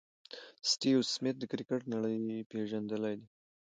سټیو سميټ د کرکټ نړۍ پېژندلی دئ.